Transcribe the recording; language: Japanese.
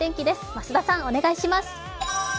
増田さんお願いします。